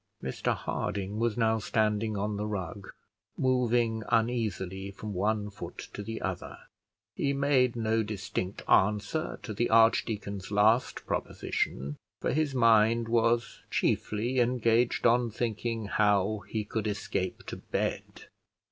Mr Harding was now standing on the rug, moving uneasily from one foot to the other. He made no distinct answer to the archdeacon's last proposition, for his mind was chiefly engaged on thinking how he could escape to bed.